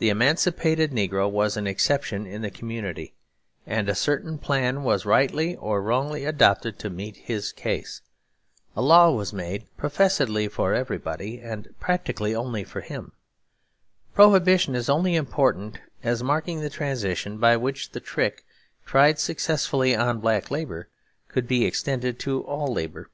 The emancipated negro was an exception in the community, and a certain plan was, rightly or wrongly, adopted to meet his case. A law was made professedly for everybody and practically only for him. Prohibition is only important as marking the transition by which the trick, tried successfully on black labour, could be extended to all labour.